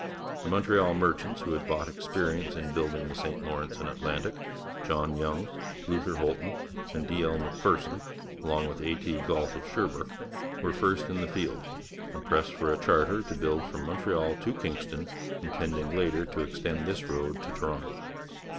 The Montreal merchants who had bought experience in building the St Lawrence and Atlantic, John Young, Luther Holton, and D. L. Macpherson, with A. T. Galt of Sherbrooke, were first in the field, and pressed for a charter to build from Montreal to Kingston, intending later to extend this road to Toronto.